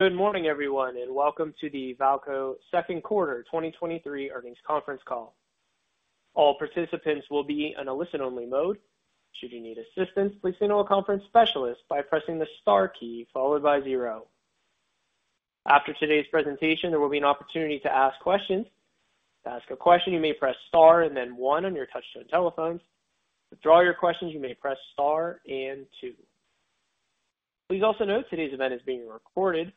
Good morning, everyone, and welcome to the VAALCO Second Quarter 2023 Earnings Conference Call. All participants will be in a listen-only mode. Should you need assistance, please signal a conference specialist by pressing the star key followed by zero. After today's presentation, there will be an opportunity to ask questions. To ask a question, you may press Star and then one on your touchtone telephones. To draw your questions, you may press Star and two. Please also note today's event is being recorded.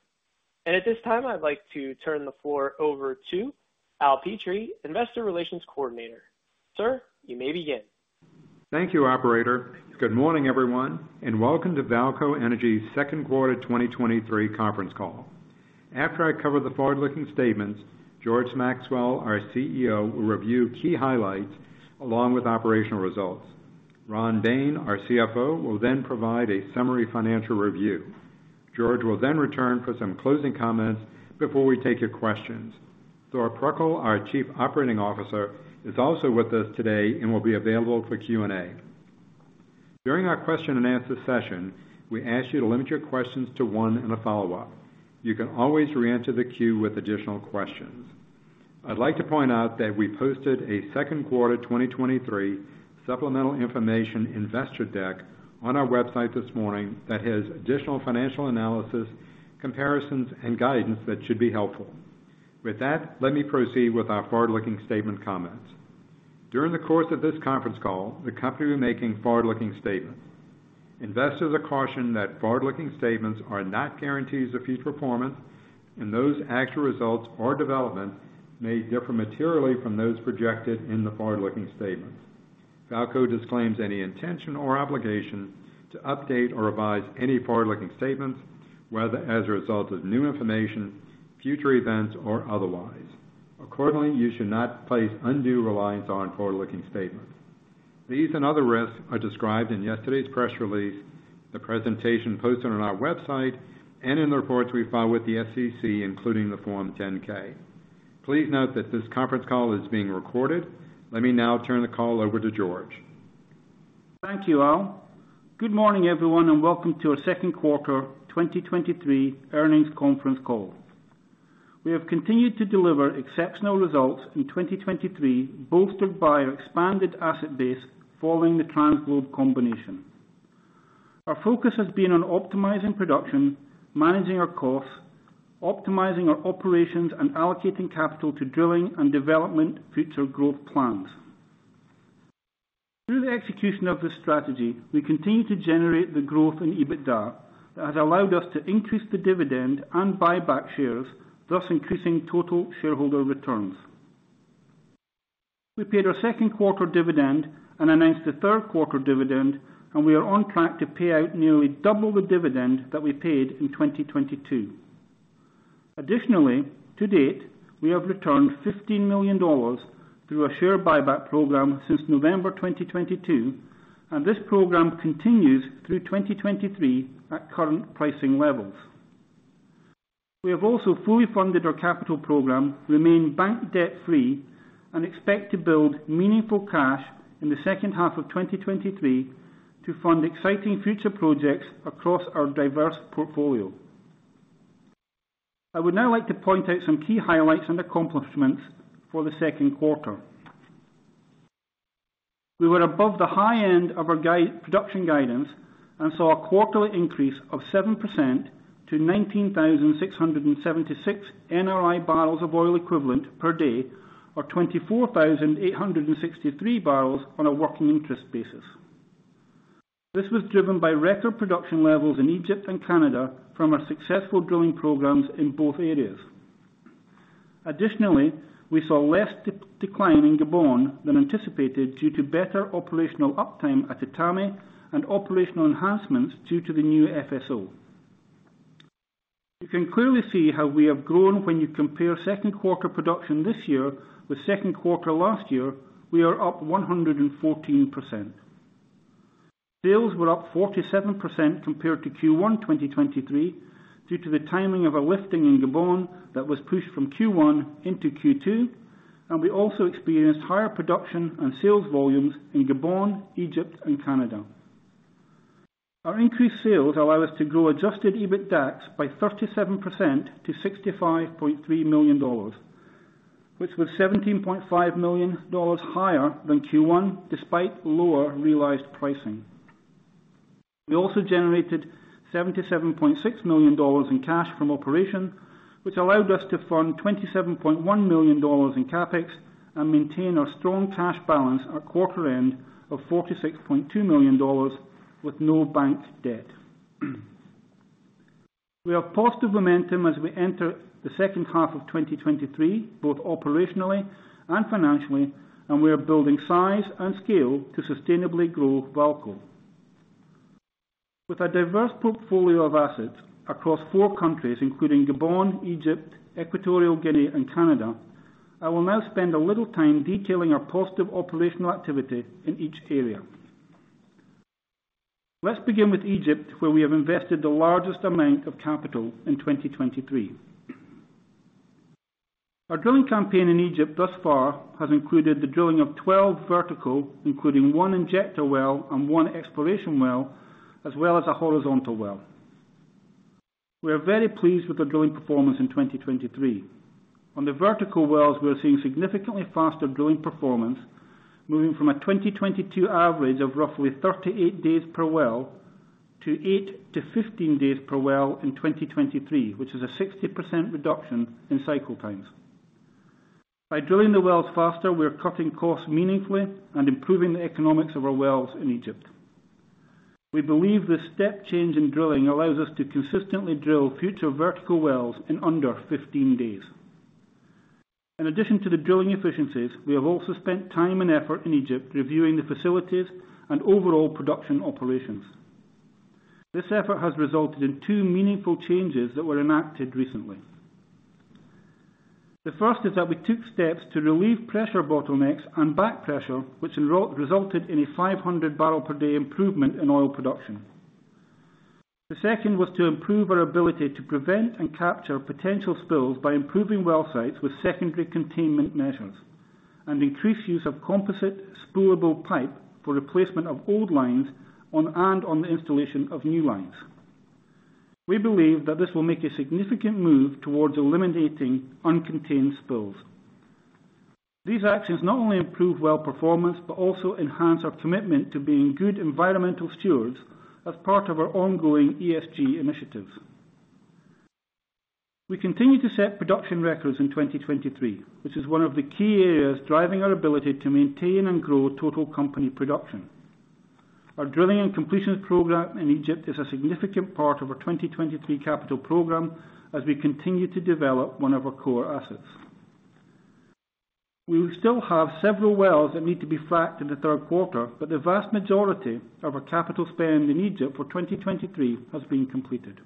At this time, I'd like to turn the floor over to Al Petrie, Investor Relations Coordinator. Sir, you may begin. Thank you, operator. Good morning everyone, welcome to VAALCO Energy second quarter 2023 conference call. After I cover the forward-looking statements, George Maxwell, our CEO, will review key highlights along with operational results. Ronald Bain, our CFO, will then provide a summary financial review. George will then return for some closing comments before we take your questions. Thor Pruckl, our Chief Operating Officer, is also with us today and will be available for Q&A. During our question and answer session, we ask you to limit your questions to one and a follow-up. You can always re-enter the queue with additional questions. I'd like to point out that we posted a second quarter 2023 supplemental information investor deck on our website this morning that has additional financial analysis, comparisons, and guidance that should be helpful. With that, let me proceed with our forward-looking statement comments. During the course of this conference call, the company will be making forward-looking statements. Investors are cautioned that forward-looking statements are not guarantees of future performance, and those actual results or developments may differ materially from those projected in the forward-looking statements. VAALCO disclaims any intention or obligation to update or revise any forward-looking statements, whether as a result of new information, future events, or otherwise. Accordingly, you should not place undue reliance on forward-looking statements. These and other risks are described in yesterday's press release, the presentation posted on our website, and in the reports we file with the SEC, including the Form 10-K. Please note that this conference call is being recorded. Let me now turn the call over to George. Thank you, Al. Good morning, everyone, and welcome to our second quarter 2023 earnings conference call. We have continued to deliver exceptional results in 2023, bolstered by our expanded asset base following the TransGlobe combination. Our focus has been on optimizing production, managing our costs, optimizing our operations, and allocating capital to drilling and development future growth plans. Through the execution of this strategy, we continue to generate the growth in EBITDA that has allowed us to increase the dividend and buy back shares, thus increasing total shareholder returns. We paid our second quarter dividend and announced the third quarter dividend. We are on track to pay out nearly double the dividend that we paid in 2022. Additionally, to date, we have returned $15 million through our share buyback program since November 2022. This program continues through 2023 at current pricing levels. We have also fully funded our capital program, remain bank debt-free, and expect to build meaningful cash in the second half of 2023 to fund exciting future projects across our diverse portfolio. I would now like to point out some key highlights and accomplishments for the second quarter. We were above the high end of our production guidance and saw a quarterly increase of 7% to 19,676 NRI barrels of oil equivalent per day, or 24,863 barrels on a working interest basis. This was driven by record production levels in Egypt and Canada from our successful drilling programs in both areas. Additionally, we saw less decline in Gabon than anticipated due to better operational uptime at Etame and operational enhancements due to the new FSO. You can clearly see how we have grown when you compare second quarter production this year with second quarter last year, we are up 114%. Sales were up 47% compared to Q1 2023, due to the timing of a lifting in Gabon that was pushed from Q1 into Q2, and we also experienced higher production and sales volumes in Gabon, Egypt and Canada. Our increased sales allow us to grow adjusted EBITDAX by 37% to $65.3 million, which was $17.5 million higher than Q1, despite lower realized pricing. We also generated $77.6 million in cash from operation, which allowed us to fund $27.1 million in CapEx and maintain our strong cash balance at quarter end of $46.2 million, with no bank debt. We have positive momentum as we enter the second half of 2023, both operationally and financially, and we are building size and scale to sustainably grow VAALCO. With a diverse portfolio of assets across four countries, including Gabon, Egypt, Equatorial Guinea, and Canada, I will now spend a little time detailing our positive operational activity in each area. Let's begin with Egypt, where we have invested the largest amount of capital in 2023. Our drilling campaign in Egypt thus far has included the drilling of 12 vertical, including one injector well and one exploration well, as well as a horizontal well. We are very pleased with the drilling performance in 2023. On the vertical wells, we are seeing significantly faster drilling performance, moving from a 2022 average of roughly 38 days per well to eight to 15 days per well in 2023, which is a 60% reduction in cycle times. By drilling the wells faster, we are cutting costs meaningfully and improving the economics of our wells in Egypt. We believe this step change in drilling allows us to consistently drill future vertical wells in under 15 days. In addition to the drilling efficiencies, we have also spent time and effort in Egypt reviewing the facilities and overall production operations. This effort has resulted in two meaningful changes that were enacted recently. The first is that we took steps to relieve pressure bottlenecks and back pressure, which resulted in a 500 barrel per day improvement in oil production. The second was to improve our ability to prevent and capture potential spills by improving well sites with secondary containment measures, and increased use of composite spoolable pipe for replacement of old lines on, and on the installation of new lines. We believe that this will make a significant move towards eliminating uncontained spills. These actions not only improve well performance, but also enhance our commitment to being good environmental stewards as part of our ongoing ESG initiatives. We continue to set production records in 2023, which is one of the key areas driving our ability to maintain and grow total company production. Our drilling and completions program in Egypt is a significant part of our 2023 capital program as we continue to develop one of our core assets. We will still have several wells that need to be fracked in the third quarter, but the vast majority of our capital spend in Egypt for 2023 has been completed.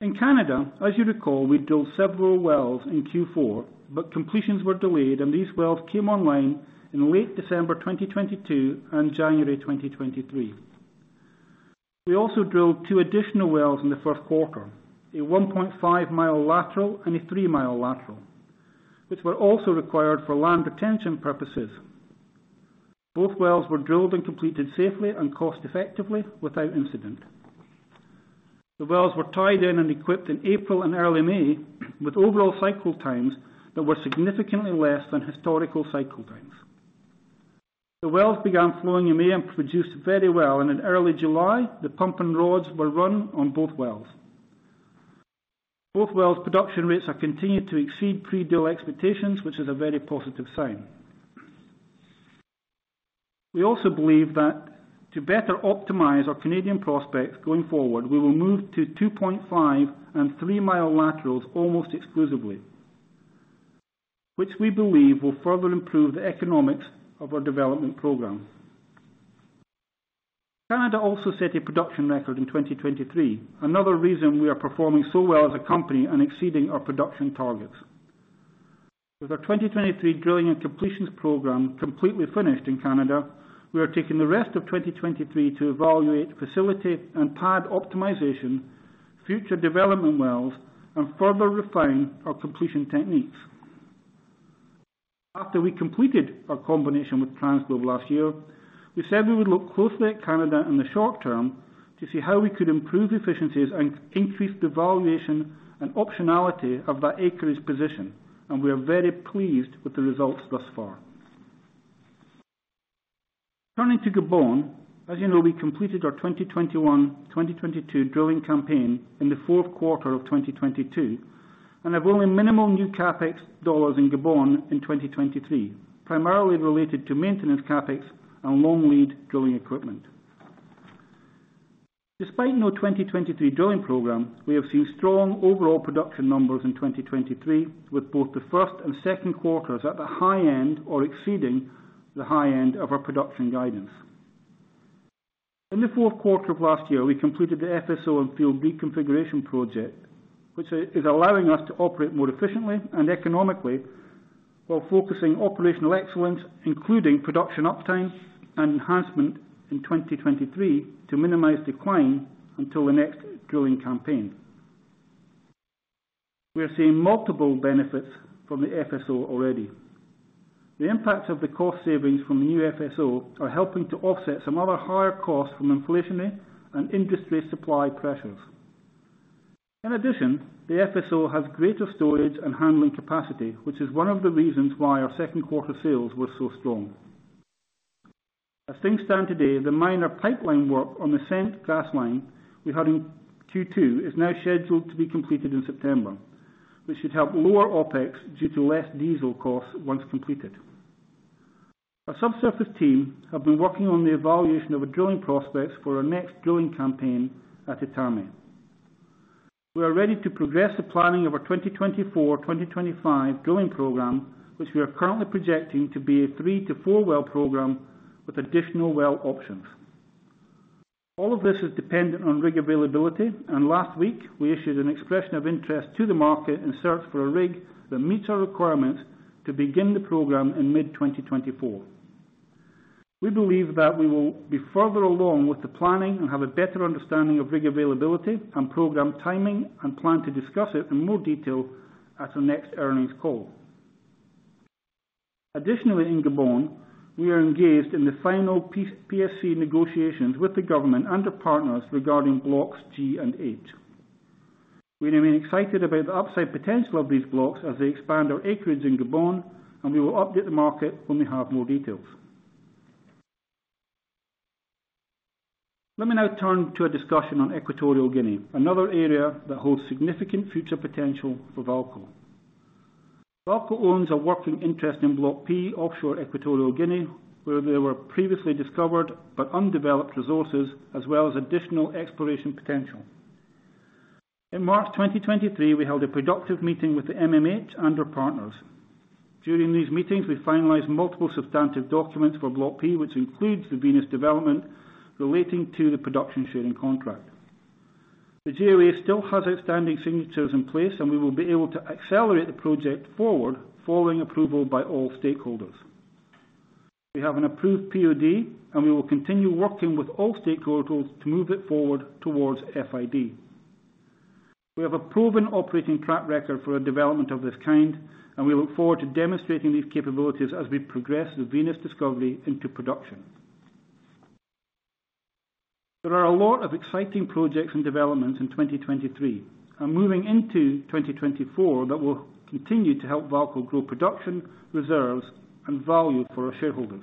In Canada, as you recall, we drilled several wells in Q4, but completions were delayed and these wells came online in late December 2022 and January 2023. We also drilled two additional wells in the first quarter, a 1.5-mile lateral and a 3-mile lateral, which were also required for land retention purposes. Both wells were drilled and completed safely and cost effectively without incident. The wells were tied in and equipped in April and early May, with overall cycle times that were significantly less than historical cycle times. The wells began flowing in May and produced very well, and in early July, the pump and rods were run on both wells. Both wells production rates have continued to exceed pre-drill expectations, which is a very positive sign. We also believe that to better optimize our Canadian prospects going forward, we will move to 2.5 mile laterals and 3-mile laterals almost exclusively, which we believe will further improve the economics of our development program. Canada also set a production record in 2023, another reason we are performing so well as a company and exceeding our production targets. With our 2023 drilling and completions program completely finished in Canada, we are taking the rest of 2023 to evaluate facility and pad optimization, future development wells, and further refine our completion techniques. After we completed our combination with TransGlobe last year, we said we would look closely at Canada in the short term to see how we could improve efficiencies and increase the valuation and optionality of that acreage position, we are very pleased with the results thus far. Turning to Gabon, as you know, we completed our 2021, 2022 drilling campaign in the fourth quarter of 2022, and have only minimal new CapEx dollars in Gabon in 2023, primarily related to maintenance CapEx and long lead drilling equipment. Despite no 2023 drilling program, we have seen strong overall production numbers in 2023, with both the 1st and second quarters at the high end or exceeding the high end of our production guidance. In the fourth quarter of last year, we completed the FSO and field reconfiguration project, which is allowing us to operate more efficiently and economically while focusing operational excellence, including production uptime and enhancement in 2023 to minimize decline until the next drilling campaign. We are seeing multiple benefits from the FSO already. The impact of the cost savings from the new FSO are helping to offset some other higher costs from inflationary and industry supply pressures. In addition, the FSO has greater storage and handling capacity, which is one of the reasons why our second quarter sales were so strong. As things stand today, the minor pipeline work on the SEENT gas line we had in Q2 is now scheduled to be completed in September, which should help lower OpEx due to less diesel costs once completed. Our subsurface team have been working on the evaluation of the drilling prospects for our next drilling campaign at Etame. We are ready to progress the planning of our 2024, 2025 drilling program, which we are currently projecting to be a three to four well program with additional well options. All of this is dependent on rig availability, and last week we issued an expression of interest to the market in search for a rig that meets our requirements to begin the program in mid-2024. We believe that we will be further along with the planning and have a better understanding of rig availability and program timing, and plan to discuss it in more detail at our next earnings call. Additionally, in Gabon, we are engaged in the final PSC negotiations with the government and their partners regarding Blocks G and H. We remain excited about the upside potential of these blocks as they expand our acreage in Gabon, and we will update the market when we have more details. Let me now turn to a discussion on Equatorial Guinea, another area that holds significant future potential for VAALCO. VAALCO owns a working interest in Block P, offshore Equatorial Guinea, where there were previously discovered but undeveloped resources, as well as additional exploration potential. In March 2023, we held a productive meeting with the MMH and our partners. During these meetings, we finalized multiple substantive documents for Block P, which includes the Venus development relating to the production sharing contract. The JLA still has outstanding signatures in place, and we will be able to accelerate the project forward following approval by all stakeholders. We have an approved POD, and we will continue working with all stakeholders to move it forward towards FID. We have a proven operating track record for a development of this kind. We look forward to demonstrating these capabilities as we progress the Venus Discovery into production. There are a lot of exciting projects and developments in 2023, and moving into 2024, that will continue to help VAALCO grow production, reserves, and value for our shareholders.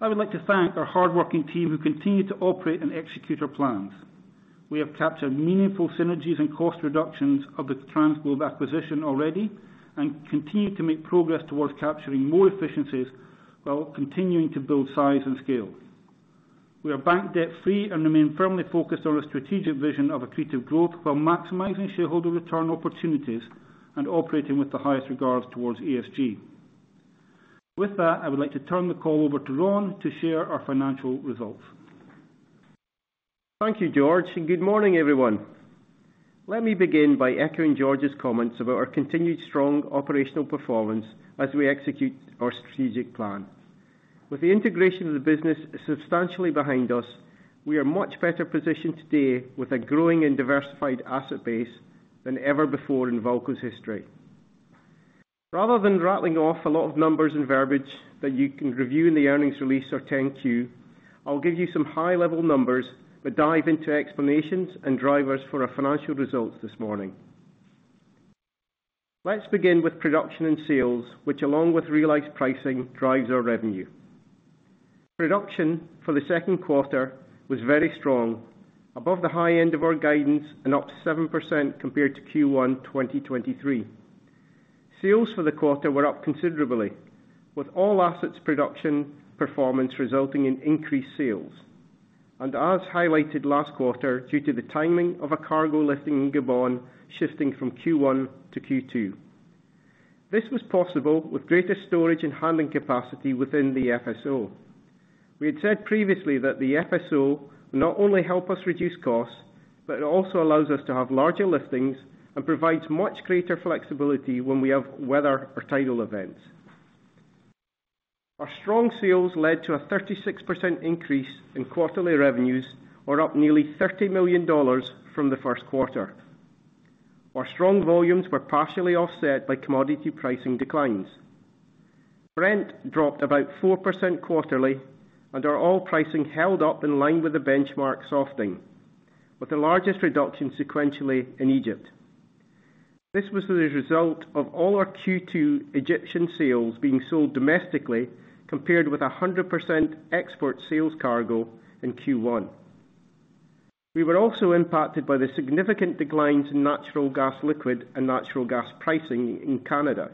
I would like to thank our hardworking team who continue to operate and execute our plans. We have captured meaningful synergies and cost reductions of the TransGlobe acquisition already, and continue to make progress towards capturing more efficiencies while continuing to build size and scale. We are bank debt-free and remain firmly focused on our strategic vision of accretive growth, while maximizing shareholder return opportunities and operating with the highest regards towards ESG. With that, I would like to turn the call over to Ron to share our financial results. Thank you, George. Good morning, everyone. Let me begin by echoing George's comments about our continued strong operational performance as we execute our strategic plan. With the integration of the business substantially behind us, we are much better positioned today with a growing and diversified asset base than ever before in VAALCO's history. Rather than rattling off a lot of numbers and verbiage that you can review in the earnings release or Form 10-Q, I'll give you some high-level numbers, but dive into explanations and drivers for our financial results this morning. Let's begin with production and sales, which along with realized pricing, drives our revenue. Production for the second quarter was very strong, above the high end of our guidance and up 7% compared to Q1 2023. Sales for the quarter were up considerably, with all assets production performance resulting in increased sales, as highlighted last quarter, due to the timing of a cargo lifting in Gabon, shifting from Q1 to Q2. This was possible with greater storage and handling capacity within the FSO. We had said previously that the FSO will not only help us reduce costs, it also allows us to have larger liftings and provides much greater flexibility when we have weather or tidal events. Our strong sales led to a 36% increase in quarterly revenues, or up nearly $30 million from the first quarter. Our strong volumes were partially offset by commodity pricing declines. Brent dropped about 4% quarterly, our oil pricing held up in line with the benchmark softening, with the largest reduction sequentially in Egypt. This was the result of all our Q2 Egyptian sales being sold domestically, compared with 100% export sales cargo in Q1. We were also impacted by the significant declines in natural gas, liquid and natural gas pricing in Canada.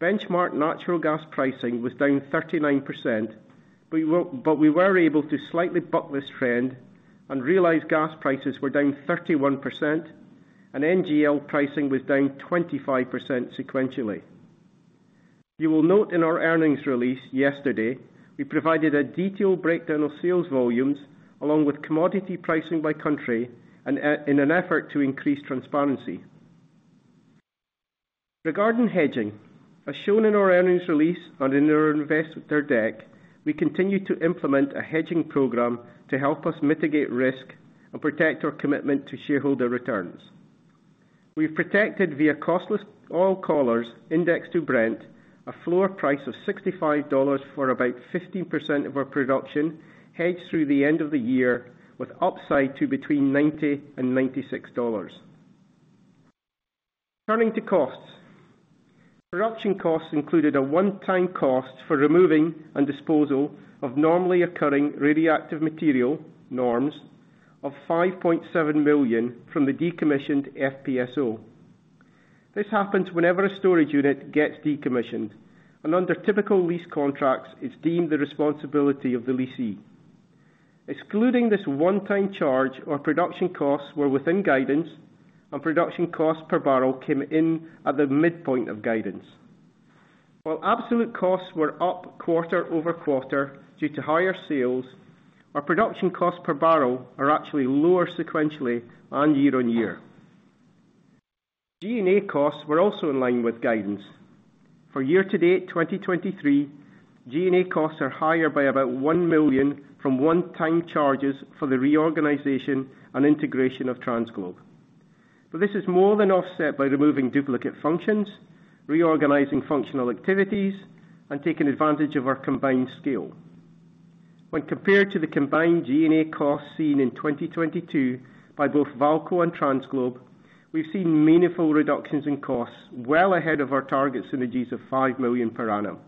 Benchmark natural gas pricing was down 39%, but we were able to slightly buck this trend, and realized gas prices were down 31%, and NGL pricing was down 25% sequentially. You will note in our earnings release yesterday, we provided a detailed breakdown of sales volumes along with commodity pricing by country, in an effort to increase transparency. Regarding hedging, as shown in our earnings release and in our investor deck, we continue to implement a hedging program to help us mitigate risk and protect our commitment to shareholder returns. We've protected via costless oil collars indexed to Brent, a floor price of $65 for about 15% of our production, hedged through the end of the year, with upside to between $90 and $96. Turning to costs. Production costs included a one-time cost for removing and disposal of normally occurring radioactive material, NORMS, of $5.7 million from the decommissioned FPSO. This happens whenever a storage unit gets decommissioned, and under typical lease contracts, it's deemed the responsibility of the lessee. Excluding this one-time charge, our production costs were within guidance, and production costs per barrel came in at the midpoint of guidance. While absolute costs were up quarter-over-quarter due to higher sales, our production costs per barrel are actually lower sequentially and year-on-year. G&A costs were also in line with guidance. For year-to-date 2023, G&A costs are higher by about $1 million from one-time charges for the reorganization and integration of TransGlobe. This is more than offset by removing duplicate functions, reorganizing functional activities, and taking advantage of our combined scale. When compared to the combined G&A costs seen in 2022 by both VAALCO and TransGlobe, we've seen meaningful reductions in costs well ahead of our target synergies of $5 million per annum.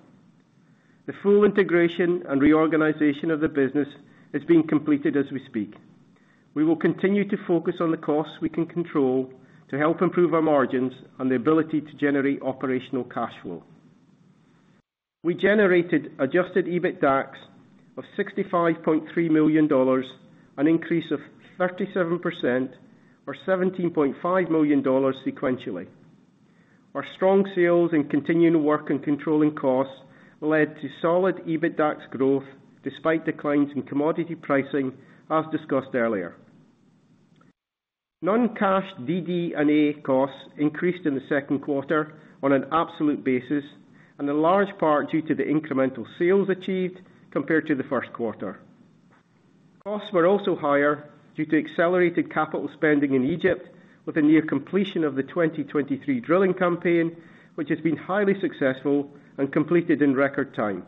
The full integration and reorganization of the business is being completed as we speak. We will continue to focus on the costs we can control to help improve our margins and the ability to generate operational cash flow. We generated adjusted EBITDAX of $65.3 million, an increase of 37% or $17.5 million sequentially. Our strong sales and continuing work in controlling costs led to solid EBITDAX growth despite declines in commodity pricing as discussed earlier. Non-cash DD&A costs increased in the second quarter on an absolute basis, and in large part due to the incremental sales achieved compared to the first quarter. Costs were also higher due to accelerated capital spending in Egypt with the near completion of the 2023 drilling campaign, which has been highly successful and completed in record time.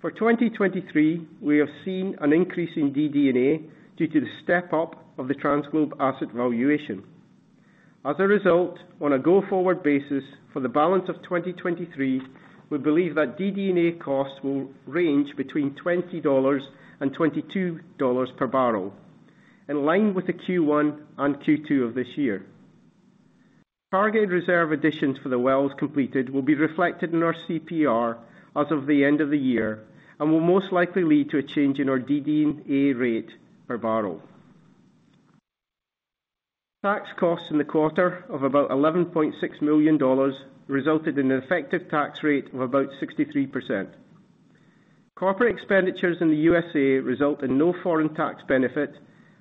For 2023, we have seen an increase in DD&A due to the step up of the TransGlobe asset valuation. As a result, on a go-forward basis for the balance of 2023, we believe that DD&A costs will range between $20 and $22 per barrel, in line with the Q1 and Q2 of this year. Target reserve additions for the wells completed will be reflected in our CPR as of the end of the year, and will most likely lead to a change in our DD&A rate per barrel. Tax costs in the quarter of about $11.6 million resulted in an effective tax rate of about 63%. Corporate expenditures in the USA result in no foreign tax benefit,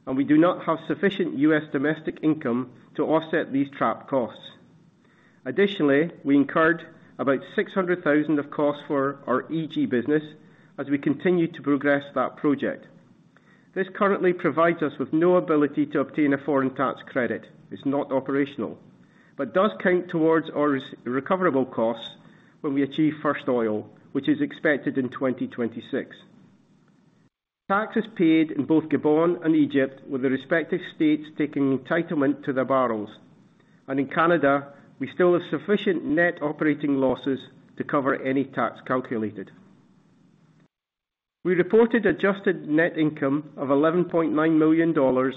and we do not have sufficient US domestic income to offset these trapped costs. Additionally, we incurred about $600,000 of costs for our EG business as we continue to progress that project. This currently provides us with no ability to obtain a foreign tax credit. It's not operational, but does count towards our recoverable costs when we achieve first oil, which is expected in 2026. Taxes paid in both Gabon and Egypt, with the respective states taking entitlement to the barrels. In Canada, we still have sufficient net operating losses to cover any tax calculated. We reported adjusted net income of $11.9 million or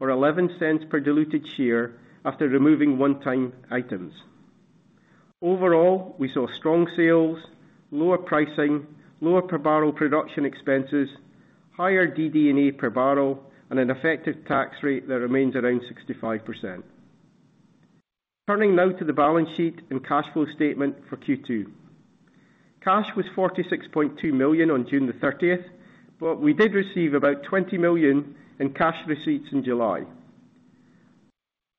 $0.11 per diluted share after removing one-time items. Overall, we saw strong sales, lower pricing, lower per barrel production expenses, higher DD&A per barrel, and an effective tax rate that remains around 65%. Turning now to the balance sheet and cash flow statement for Q2. Cash was $46.2 million on June 30th, but we did receive about $20 million in cash receipts in July.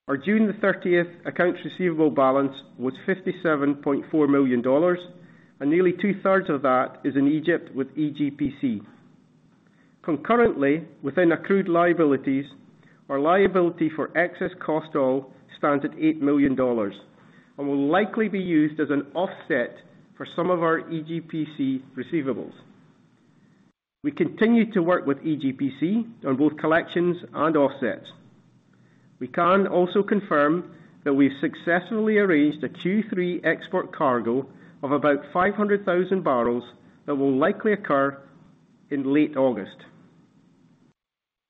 Our June 30th accounts receivable balance was $57.4 million, and nearly two-thirds of that is in Egypt with EGPC. Concurrently, within accrued liabilities, our liability for excess cost oil stand at $8 million and will likely be used as an offset for some of our EGPC receivables. We continue to work with EGPC on both collections and offsets. We can also confirm that we've successfully arranged a Q3 export cargo of about 500,000 barrels that will likely occur in late August.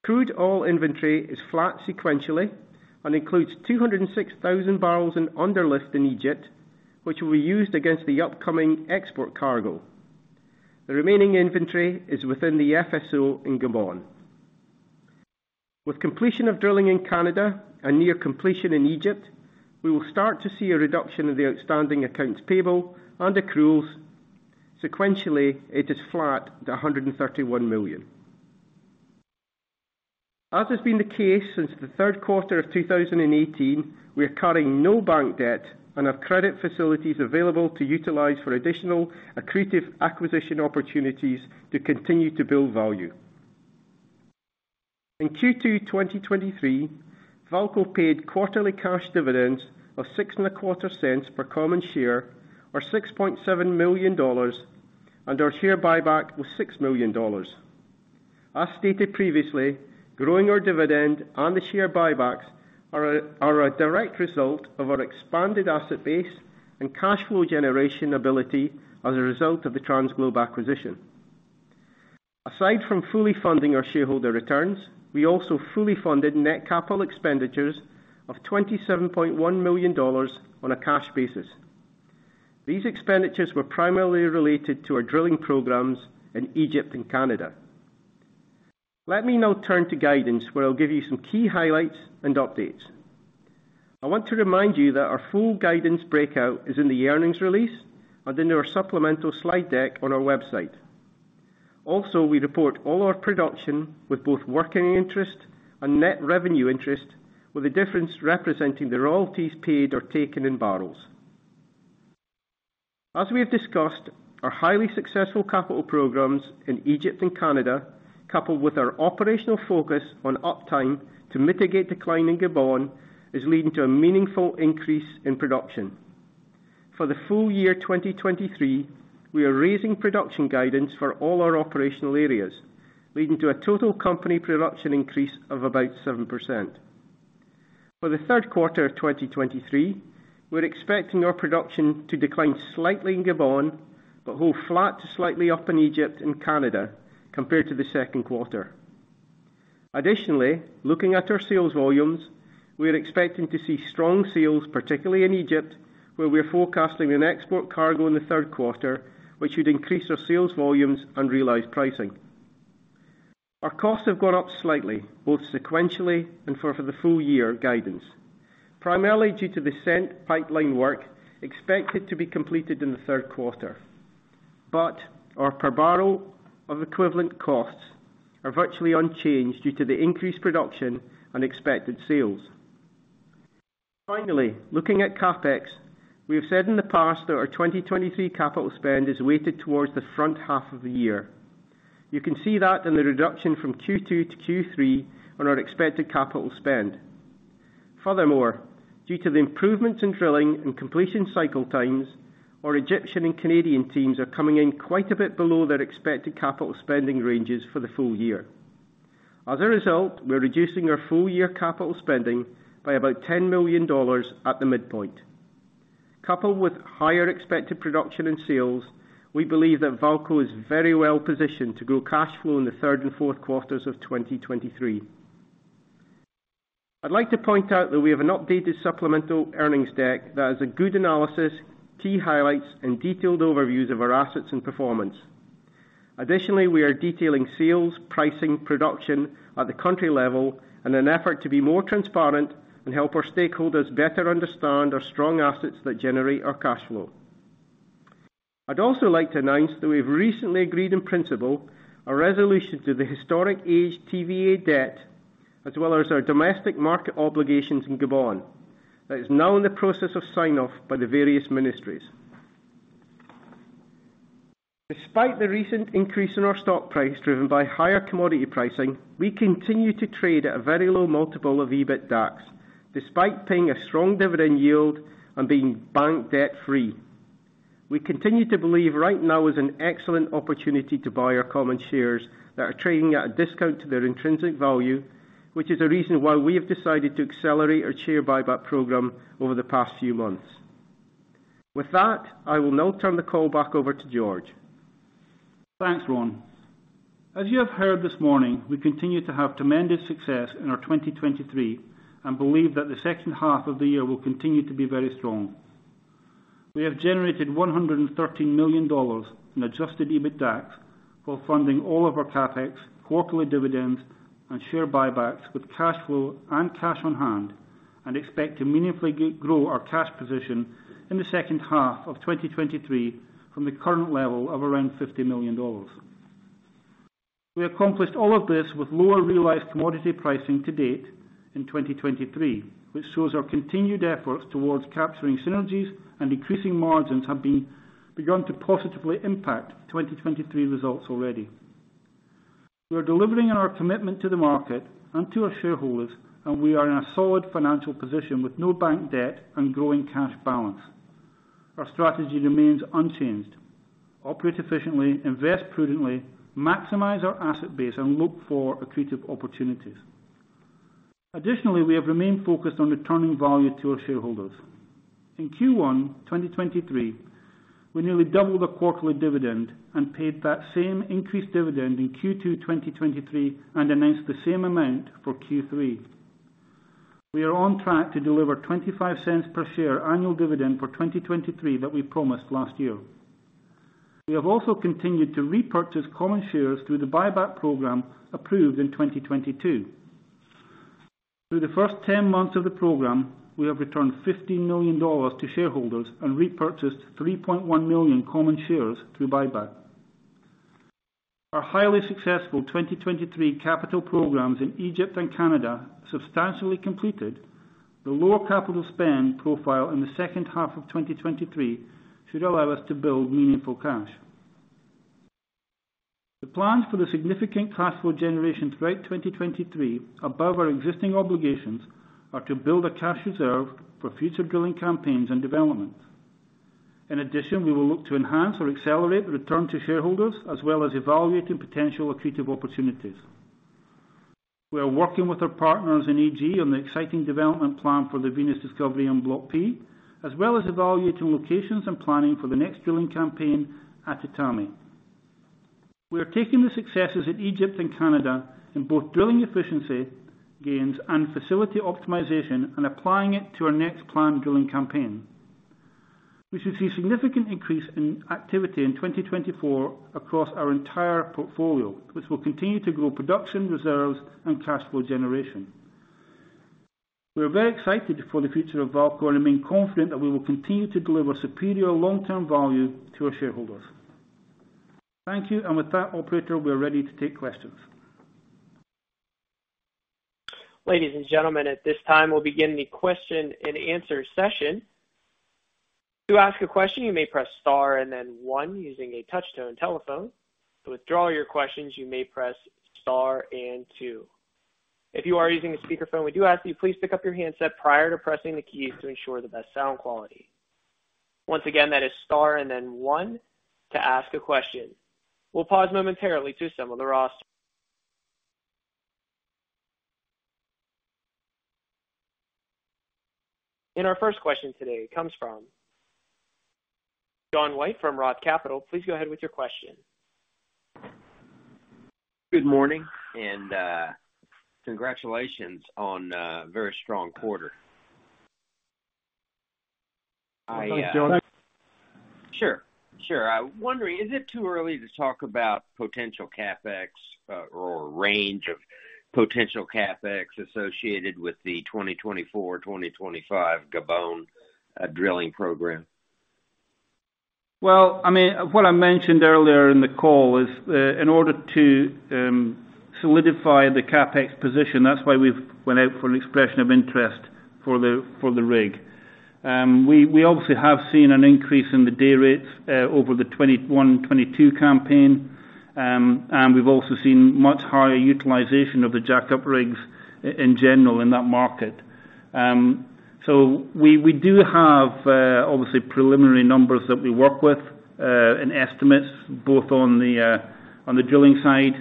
Crude oil inventory is flat sequentially and includes 206,000 barrels in underlift in Egypt, which will be used against the upcoming export cargo. The remaining inventory is within the FSO in Gabon. With completion of drilling in Canada and near completion in Egypt, we will start to see a reduction in the outstanding accounts payable and accruals. Sequentially, it is flat at $131 million. As has been the case since the 3rd quarter of 2018, we are carrying no bank debt and have credit facilities available to utilize for additional accretive acquisition opportunities to continue to build value. In Q2 2023, VAALCO paid quarterly cash dividends of $0.0625 per common share, or $6.7 million, and our share buyback was $6 million. As stated previously, growing our dividend and the share buybacks are a direct result of our expanded asset base and cash flow generation ability as a result of the TransGlobe acquisition. Aside from fully funding our shareholder returns, we also fully funded net capital expenditures of $27.1 million on a cash basis. These expenditures were primarily related to our drilling programs in Egypt and Canada. Let me now turn to guidance, where I'll give you some key highlights and updates. I want to remind you that our full guidance breakout is in the earnings release and in our supplemental slide deck on our website. Also, we report all our production with both working interest and net revenue interest, with the difference representing the royalties paid or taken in barrels. As we have discussed, our highly successful capital programs in Egypt and Canada, coupled with our operational focus on uptime to mitigate decline in Gabon, is leading to a meaningful increase in production. For the full year 2023, we are raising production guidance for all our operational areas, leading to a total company production increase of about 7%. For the third quarter of 2023, we're expecting our production to decline slightly in Gabon, but hold flat to slightly up in Egypt and Canada compared to the second quarter. Additionally, looking at our sales volumes, we are expecting to see strong sales, particularly in Egypt, where we are forecasting an export cargo in the third quarter, which should increase our sales volumes and realize pricing. Our costs have gone up slightly, both sequentially and for the full year guidance, primarily due to the SEENT pipeline work expected to be completed in the third quarter. Our per barrel of equivalent costs are virtually unchanged due to the increased production and expected sales. Finally, looking at CapEx, we have said in the past that our 2023 capital spend is weighted towards the front half of the year. You can see that in the reduction from Q2 to Q3 on our expected capital spend. Furthermore, due to the improvements in drilling and completion cycle times, our Egyptian and Canadian teams are coming in quite a bit below their expected capital spending ranges for the full year. As a result, we're reducing our full-year capital spending by about $10 million at the midpoint. Coupled with higher expected production and sales, we believe that VAALCO is very well positioned to grow cash flow in the third and fourth quarters of 2023. I'd like to point out that we have an updated supplemental earnings deck that is a good analysis, key highlights, and detailed overviews of our assets and performance. Additionally, we are detailing sales, pricing, production at the country level in an effort to be more transparent and help our stakeholders better understand our strong assets that generate our cash flow. I'd also like to announce that we've recently agreed in principle a resolution to the historic TVA debt, as well as our domestic market obligations in Gabon, that is now in the process of sign-off by the various ministries. Despite the recent increase in our stock price, driven by higher commodity pricing, we continue to trade at a very low multiple of EBITDACS, despite paying a strong dividend yield and being bank debt-free. We continue to believe right now is an excellent opportunity to buy our common shares that are trading at a discount to their intrinsic value, which is the reason why we have decided to accelerate our share buyback program over the past few months. With that, I will now turn the call back over to George. Thanks, Ron. As you have heard this morning, we continue to have tremendous success in our 2023 and believe that the second half of the year will continue to be very strong. We have generated $113 million in adjusted EBITDAX while funding all of our CapEx, quarterly dividends, and share buybacks with cash flow and cash on hand, and expect to meaningfully grow our cash position in the second half of 2023 from the current level of around $50 million. We accomplished all of this with lower realized commodity pricing to date in 2023, which shows our continued efforts towards capturing synergies and increasing margins begun to positively impact 2023 results already. We are delivering on our commitment to the market and to our shareholders. We are in a solid financial position with no bank debt and growing cash balance. Our strategy remains unchanged: operate efficiently, invest prudently, maximize our asset base, and look for accretive opportunities. Additionally, we have remained focused on returning value to our shareholders. In Q1, 2023, we nearly doubled the quarterly dividend and paid that same increased dividend in Q2, 2023, and announced the same amount for Q3. We are on track to deliver $0.25 per share annual dividend for 2023 that we promised last year. We have also continued to repurchase common shares through the buyback program approved in 2022. Through the first 10 months of the program, we have returned $15 million to shareholders and repurchased 3.1 million common shares through buyback. Our highly successful 2023 capital programs in Egypt and Canada substantially completed, the lower capital spend profile in the second half of 2023 should allow us to build meaningful cash. The plans for the significant cash flow generation throughout 2023, above our existing obligations, are to build a cash reserve for future drilling campaigns and developments. In addition, we will look to enhance or accelerate the return to shareholders, as well as evaluating potential accretive opportunities. We are working with our partners in EG on the exciting development plan for the Venus Discovery on Block P, as well as evaluating locations and planning for the next drilling campaign at Etame. We are taking the successes in Egypt and Canada in both drilling efficiency, gains, and facility optimization and applying it to our next planned drilling campaign. We should see significant increase in activity in 2024 across our entire portfolio, which will continue to grow production, reserves, and cash flow generation. We are very excited for the future of VAALCO and remain confident that we will continue to deliver superior long-term value to our shareholders. Thank you, and with that, operator, we are ready to take questions. Ladies and gentlemen, at this time, we'll begin the question and answer session. To ask a question, you may press Star and then one using a touchtone telephone. To withdraw your questions, you may press Star and two. If you are using a speakerphone, we do ask you please pick up your handset prior to pressing the keys to ensure the best sound quality. Once again, that is Star and then one to ask a question. We'll pause momentarily to assemble the roster. Our first question today comes from John White from ROTH Capital. Please go ahead with your question. Good morning. Congratulations on a very strong quarter. I- Thanks, John. Sure, sure. I'm wondering, is it too early to talk about potential CapEx, or range of potential CapEx associated with the 2024, 2025 Gabon drilling program? Well, I mean, what I mentioned earlier in the call is, in order to solidify the CapEx position, that's why we've went out for an expression of interest for the, for the rig. We, we obviously have seen an increase in the day rates over the 21, 22 campaign. We've also seen much higher utilization of the jackup rigs in general in that market. We, we do have, obviously, preliminary numbers that we work with and estimates both on the drilling side.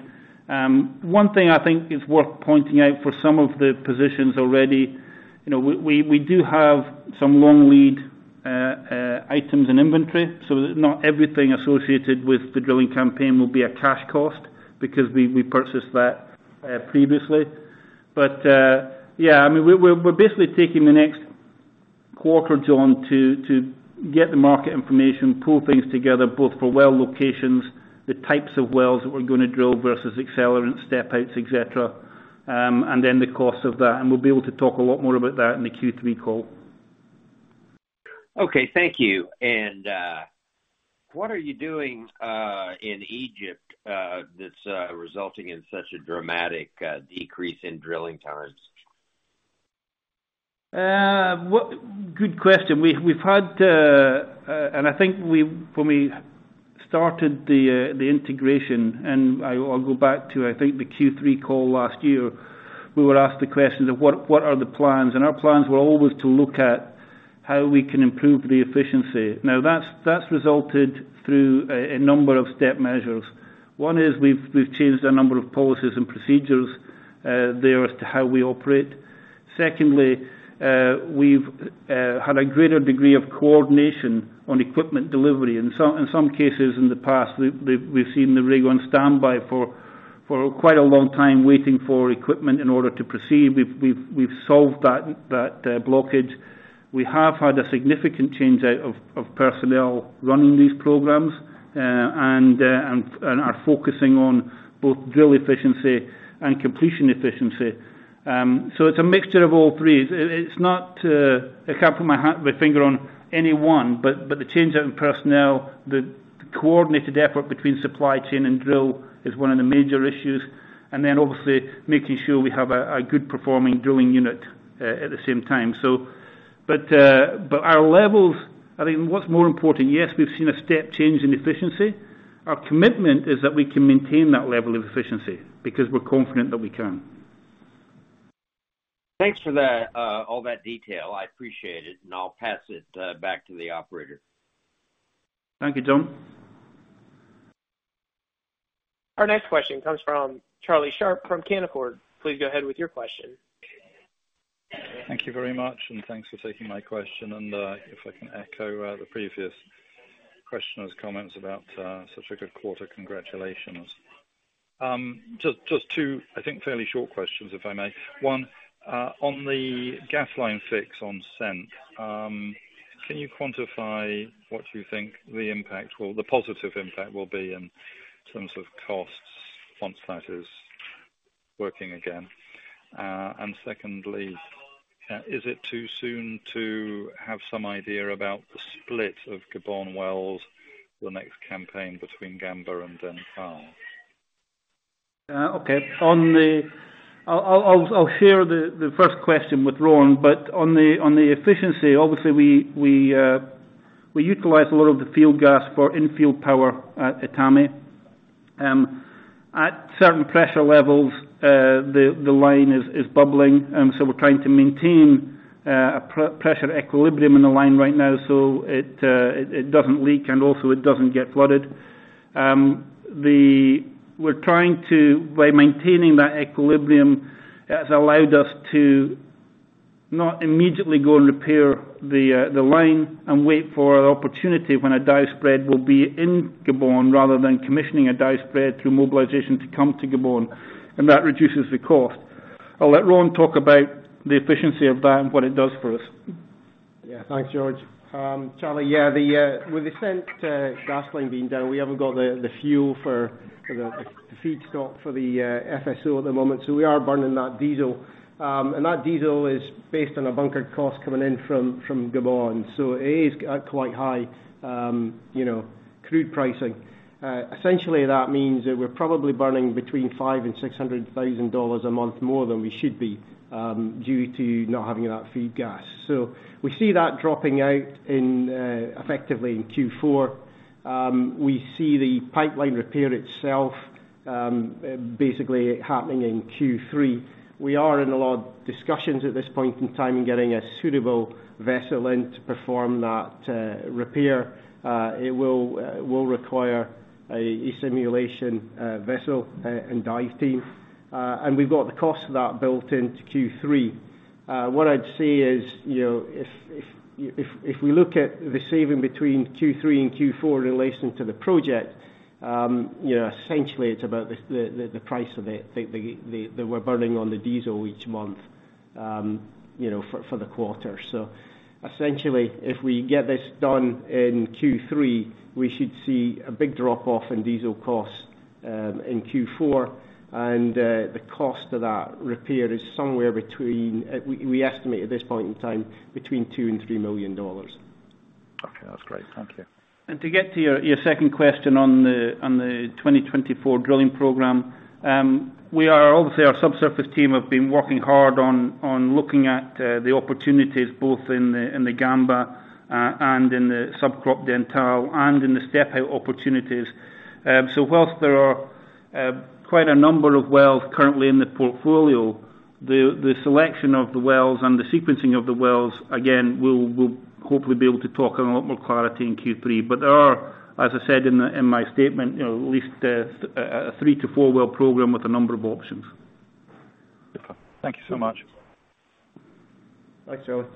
One thing I think is worth pointing out for some of the positions already, you know, we, we, we do have some long lead items in inventory, so not everything associated with the drilling campaign will be a cash cost because we, we purchased that previously. Yeah, I mean, we're basically taking the next quarter, John, to get the market information, pull things together, both for well locations, the types of wells that we're going to drill versus accelerant, step outs, et cetera, and then the cost of that. We'll be able to talk a lot more about that in the Q3 call. Okay, thank you. What are you doing, in Egypt, that's, resulting in such a dramatic, decrease in drilling times? Good question. We've, we've had, and I think when we started the integration, and I'll go back to, I think, the Q3 call last year, we were asked the question of: What, what are the plans? Our plans were always to look at how we can improve the efficiency. Now, that's, that's resulted through a number of step measures. One is we've, we've changed a number of policies and procedures there as to how we operate. Secondly, we've had a greater degree of coordination on equipment delivery. In some, in some cases in the past, we've, we've, we've seen the rig on standby for quite a long time, waiting for equipment in order to proceed. We've, we've, we've solved that, that blockage. We have had a significant change out of personnel running these programs, and are focusing on both drill efficiency and completion efficiency. It's not, I can't put my finger on any one, but the change in personnel, the coordinated effort between supply chain and drill is one of the major issues, and then obviously making sure we have a good performing drilling unit at the same time. I think what's more important, yes, we've seen a step change in efficiency. Our commitment is that we can maintain that level of efficiency because we're confident that we can. Thanks for that, all that detail. I appreciate it. I'll pass it back to the operator. Thank you, John. Our next question comes from Charlie Sharp from Canaccord. Please go ahead with your question. Thank you very much, and thanks for taking my question. If I can echo, the previous questioner's comments about, such a good quarter, congratulations. Just, just two, I think, fairly short questions, if I may. One, on the gas line fix on Semp, can you quantify what you think the positive impact will be in terms of costs once that is working again? Secondly, is it too soon to have some idea about the split of Gabon wells, the next campaign between Gamba and Dentale? Okay. I'll, I'll, I'll share the first question with Ron, but on the efficiency, obviously, we, we utilize a lot of the field gas for in-field power at Etame. At certain pressure levels, the line is bubbling, so we're trying to maintain a pressure equilibrium in the line right now, so it doesn't leak and also it doesn't get flooded. We're trying to, by maintaining that equilibrium, it's allowed us to not immediately go and repair the line and wait for an opportunity when a dive spread will be in Gabon rather than commissioning a dive spread through mobilization to come to Gabon, and that reduces the cost. I'll let Ron talk about the efficiency of that and what it does for us. Yeah, thanks, George. Charlie, yeah, the, with the SEENT gas line being down, we haven't got the, the fuel for, for the feedstock for the FSO at the moment. So we are burning that diesel. And that diesel is based on a bunker cost coming in from, from Gabon. is quite high, you know, crude pricing. Essentially, that means that we're probably burning between $500,000-$600,000 a month, more than we should be, due to not having that feed gas. So we see that dropping out in, effectively in Q4. We see the pipeline repair itself, basically happening in Q3. We are in a lot of discussions at this point in time, getting a suitable vessel in to perform that repair. It will, will require a simulation vessel and dive team. We've got the cost of that built into Q3. What I'd say is, you know, if we look at the saving between Q3 and Q4 in relation to the project, you know, essentially it's about the, the, the price of the, the, the, that we're burning on the diesel each month, you know, for, for the quarter. Essentially, if we get this done in Q3, we should see a big drop off in diesel costs in Q4. The cost of that repair is somewhere between, we estimate at this point in time, between $2 million and $3 million. Okay. That's great. Thank you. To get to your, your second question on the, on the 2024 drilling program. Obviously, our subsurface team have been working hard on, on looking at the opportunities both in the, in the Gamba and in the Dentale Subcrop and in the step out opportunities. Whilst there are quite a number of wells currently in the portfolio, the, the selection of the wells and the sequencing of the wells, again, we'll, we'll hopefully be able to talk in a lot more clarity in Q3. There are, as I said in, in my statement, you know, at least a three to four well program with a number of options. Thank you so much. Thanks, Charlie.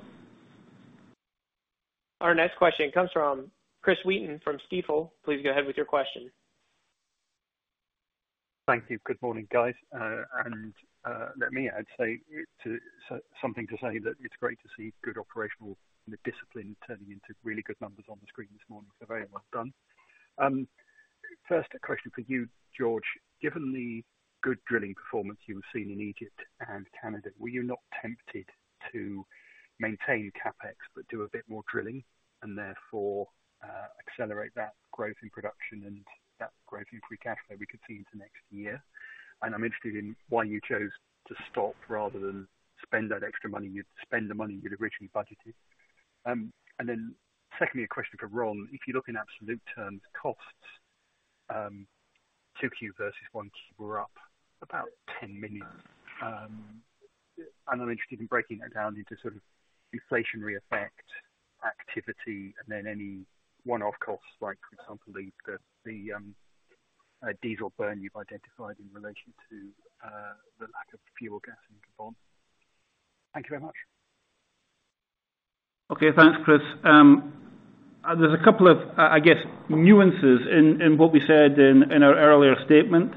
Our next question comes from Chris Wheaton from Stifel. Please go ahead with your question. Thank you. Good morning, guys. Let me add, say something to say that it's great to see good operational discipline turning into really good numbers on the screen this morning. Very well done. First, a question for you, George. Given the good drilling performance you were seeing in Egypt and Canada, were you not tempted to maintain CapEx, but do a bit more drilling and therefore accelerate that growth in production and that growth in free cash flow we could see into next year? I'm interested in why you chose to stop rather than spend that extra money, you'd spend the money you'd originally budgeted. Then secondly, a question for Ron. If you look in absolute terms, costs, 2Q versus 1Q were up about $10 million. I'm interested in breaking that down into sort of inflationary effect, activity, and then any one-off costs, like, for example, the diesel burn you've identified in relation to the lack of fuel gas in Gabon. Thank you very much. Okay. Thanks, Chris. There's a couple of, I guess, nuances in, in what we said in, in our earlier statement,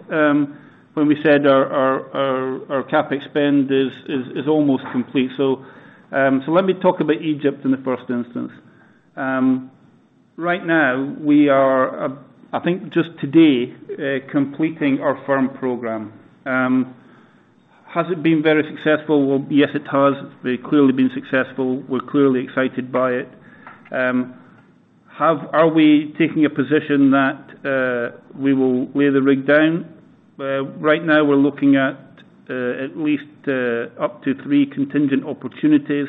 when we said our, our, our, our CapEx spend is, is, is almost complete. Let me talk about Egypt in the first instance. Right now, we are, I think just today, completing our firm program. Has it been very successful? Well, yes, it has. We've clearly been successful. We're clearly excited by it. Are we taking a position that we will lay the rig down? Right now, we're looking at, at least, up to three contingent opportunities,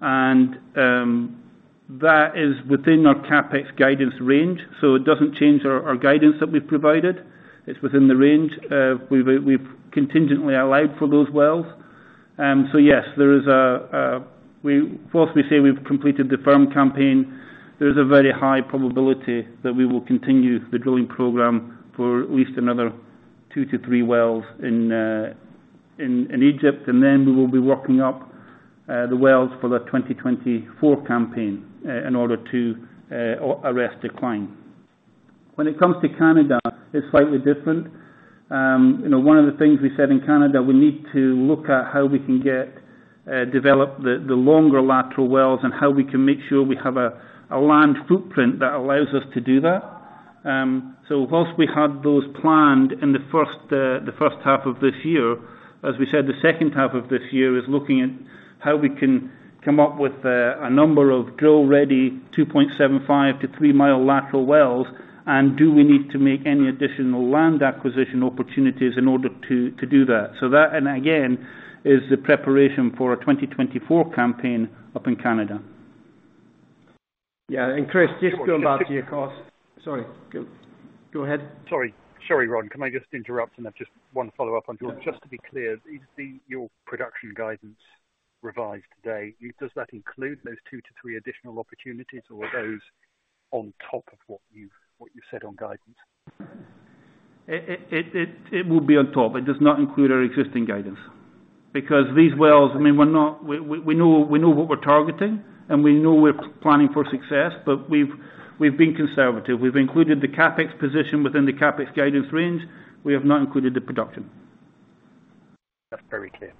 and that is within our CapEx guidance range, so it doesn't change our, our guidance that we've provided. It's within the range. We've, we've contingently allowed for those wells. Yes, there is a, a, whilst we say we've completed the firm campaign, there is a very high probability that we will continue the drilling program for at least another two to three wells in Egypt, and then we will be working up the wells for the 2024 campaign in order to arrest decline. When it comes to Canada, it's slightly different. You know, one of the things we said in Canada, we need to look at how we can get develop the longer lateral wells and how we can make sure we have a land footprint that allows us to do that. Whilst we had those planned in the first, the first half of this year, as we said, the second half of this year is looking at how we can come up with a number of drill-ready, 2.75-3-mile lateral wells, and do we need to make any additional land acquisition opportunities in order to, to do that? So that, and again, is the preparation for a 2024 campaign up in Canada. Yeah, Chris, just going back to your cost. Sorry, go, go ahead. Sorry, sorry, Ron, can I just interrupt and have just one follow-up on Ron? Yeah. Just to be clear, your production guidance revised today, does that include those two to three additional opportunities or are those on top of what you've said on guidance? It will be on top. It does not include our existing guidance. Because these wells, I mean, we know, we know what we're targeting, and we know we're planning for success, but we've, we've been conservative. We've included the CapEx position within the CapEx guidance range. We have not included the production. That's very clear.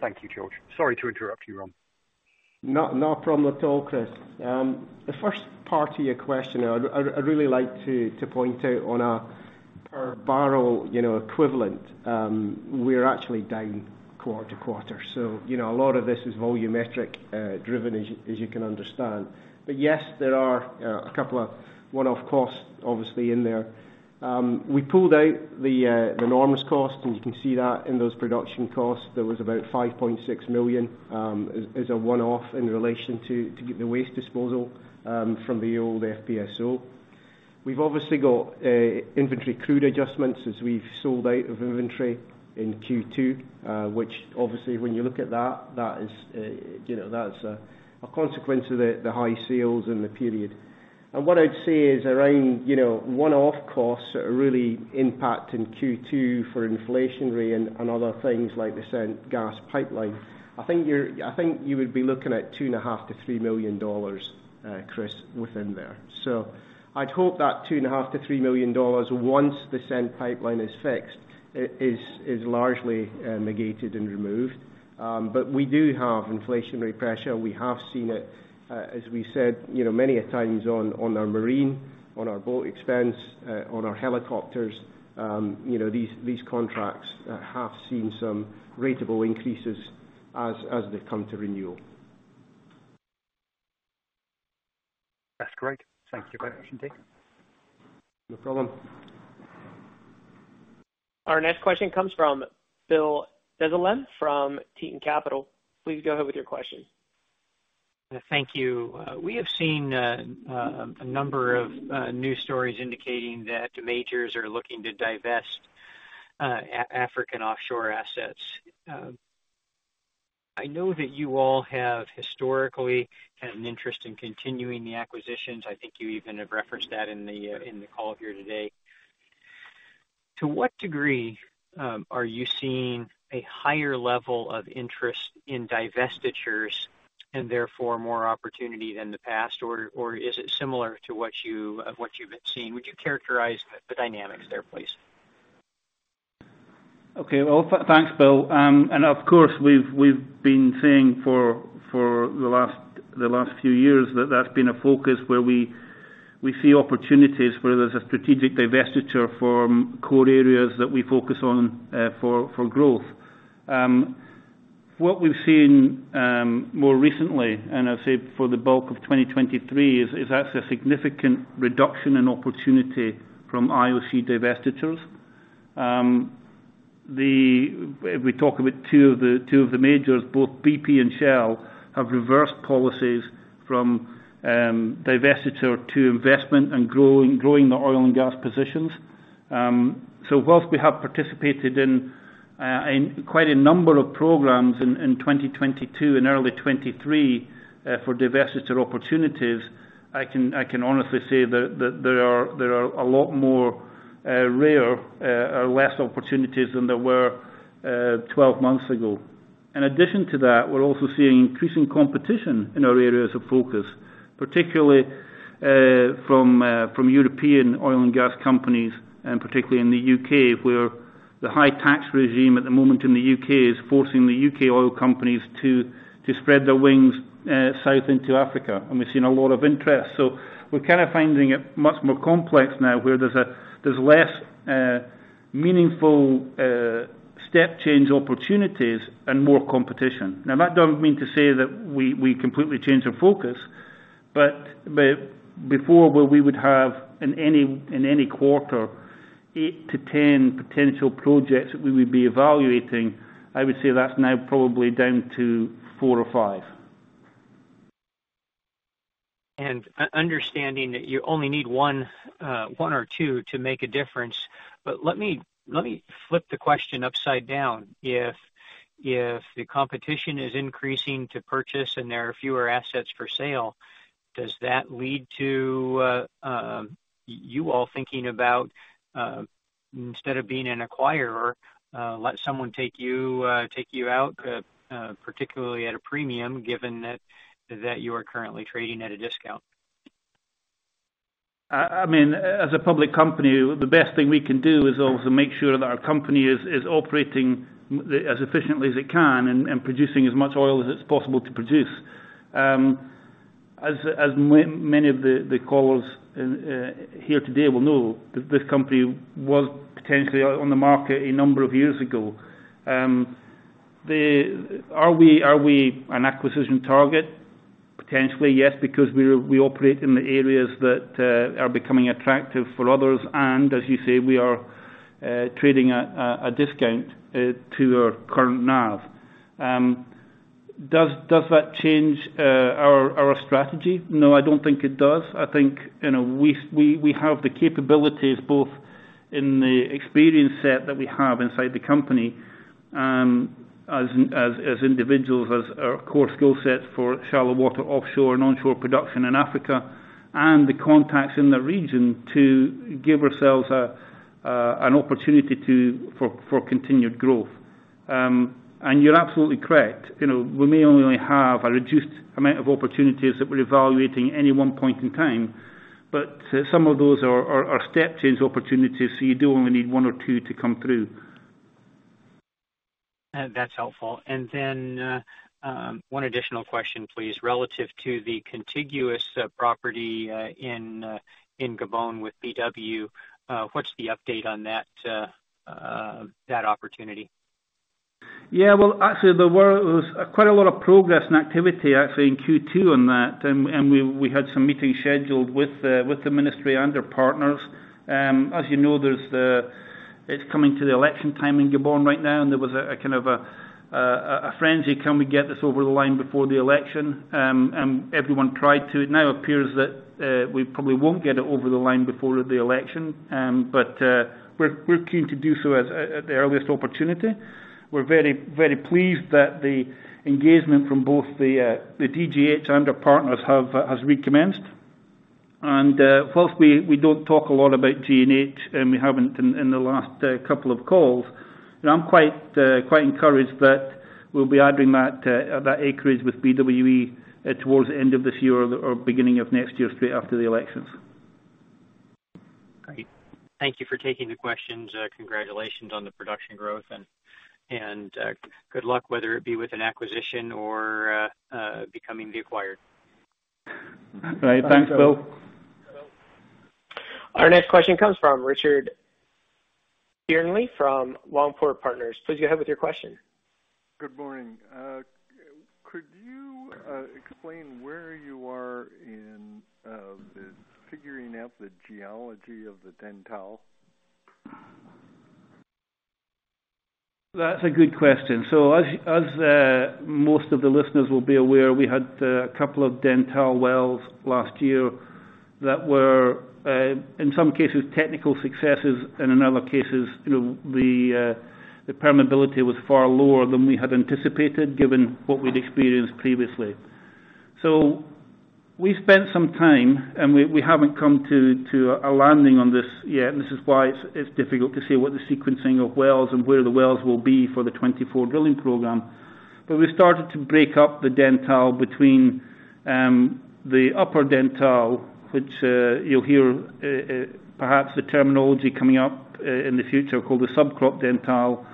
Thank you, George. Sorry to interrupt you, Ron. No, no problem at all, Chris. The first part of your question, I'd really like to point out on a per barrel, you know, equivalent, we're actually down quarter-to-quarter. You know, a lot of this is volumetric driven, as you can understand. Yes, there are a couple of one-off costs obviously in there. We pulled out the enormous cost, and you can see that in those production costs. There was about $5.6 million as a one-off in relation to get the waste disposal from the old FPSO. We've obviously got inventory crude adjustments as we've sold out of inventory in Q2, which obviously, when you look at that, that is, you know, that's a consequence of the high sales in the period. What I'd say is around, you know, one-off costs are really impacting Q2 for inflationary and, and other things like the SEENT gas pipeline. I think you're I think you would be looking at $2.5 million-$3 million, Chris, within there. I'd hope that $2.5 million-$3 million, once the SEENT pipeline is fixed, is, is, is largely negated and removed. We do have inflationary pressure. We have seen it, as we said, you know, many a times on, on our marine, on our boat expense, on our helicopters. You know, these, these contracts have seen some ratable increases as, as they've come to renewal. That's great. Thank you very much, indeed. No problem. Our next question comes from Bill Dezellem, from Tieton Capital. Please go ahead with your question. Thank you. We have seen a number of new stories indicating that the majors are looking to divest African offshore assets. I know that you all have historically had an interest in continuing the acquisitions. I think you even have referenced that in the call here today. To what degree are you seeing a higher level of interest in divestitures, and therefore more opportunity than the past? Or, or is it similar to what you what you've been seeing? Would you characterize the dynamics there, please? Okay, well, thanks, Bill. Of course, we've, we've been saying for, for the last, the last few years that that's been a focus where we, we see opportunities where there's a strategic divestiture for core areas that we focus on for, for growth. What we've seen more recently, and I'd say for the bulk of 2023, is, is that's a significant reduction in opportunity from IOC divestitures. If we talk about two of the, two of the majors, both BP and Shell, have reversed policies from divestiture to investment and growing, growing the oil and gas positions. Whilst we have participated in quite a number of programs in 2022 and early 2023 for divestiture opportunities, I can, I can honestly say that, that there are, there are a lot more rare or less opportunities than there were 12 months ago. In addition to that, we're also seeing increasing competition in our areas of focus, particularly from from European oil and gas companies, and particularly in the UK, where the high tax regime at the moment in the UK is forcing the UK oil companies to, to spread their wings south into Africa, and we've seen a lot of interest. We're kind of finding it much more complex now, where there's there's less meaningful step change opportunities and more competition. That doesn't mean to say that we, we completely change our focus, but, but before, where we would have in any, in any quarter, eight to 10 potential projects that we would be evaluating, I would say that's now probably down to four or five. Understanding that you only need one or two to make a difference. Let me, let me flip the question upside down. If, if the competition is increasing to purchase and there are fewer assets for sale, does that lead to you all thinking about instead of being an acquirer, let someone take you out, particularly at a premium, given that, that you are currently trading at a discount? I mean, as a public company, the best thing we can do is also make sure that our company is, is operating as efficiently as it can and, and producing as much oil as it's possible to produce. As, as many, many of the, the callers here today will know, that this company was potentially on the market a number of years ago. Are we, are we an acquisition target? Potentially, yes, because we're, we operate in the areas that are becoming attractive for others, and as you say, we are trading at a discount to our current NAV. Does, does that change our, our strategy? No, I don't think it does. I think, you know, we have the capabilities, both in the experience set that we have inside the company, as individuals, as our core skill sets for shallow water, offshore and onshore production in Africa, and the contacts in the region to give ourselves an opportunity to for continued growth. You're absolutely correct. You know, we may only have a reduced amount of opportunities that we're evaluating any one point in time. But some of those are step change opportunities, so you do only need one or two to come through. That's helpful. Then, one additional question, please. Relative to the contiguous property in Gabon with BW, what's the update on that opportunity? Yeah, well, actually, there were quite a lot of progress and activity actually in Q2 on that. we, we had some meetings scheduled with the, with the ministry and their partners. As you know, there's the, it's coming to the election time in Gabon right now, and there was a kind of a frenzy, "Can we get this over the line before the election?" Everyone tried to. It now appears that we probably won't get it over the line before the election. we're, we're keen to do so at, at the earliest opportunity. We're very, very pleased that the engagement from both the, the DGH and their partners have has recommenced. Whilst we, we don't talk a lot about G and H, and we haven't in, in the last couple of calls, and I'm quite encouraged that we'll be adding that acreage with BWE towards the end of this year or beginning of next year, straight after the elections. Great. Thank you for taking the questions. Congratulations on the production growth and good luck, whether it be with an acquisition or becoming the acquired. Right. Thanks, Bill. Our next question comes from Richard Kierney, from Longpoint Partners. Please go ahead with your question. Good morning. Could you explain where you are in the figuring out the geology of the Dentale? That's a good question. As, as, most of the listeners will be aware, we had a couple of Dentale wells last year that were, in some cases, technical successes, and in other cases, you know, the permeability was far lower than we had anticipated, given what we'd experienced previously. We spent some time, and we, we haven't come to, to a landing on this yet, and this is why it's, it's difficult to say what the sequencing of wells and where the wells will be for the 24 drilling program. We started to break up the Dentale between the upper Dentale, which you'll hear, perhaps the terminology coming up in the future, called the subcrop Dentale,